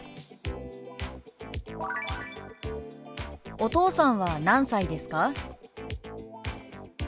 「お父さんは何歳ですか？」。